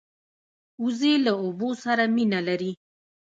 وزې له اوبو سره مینه لري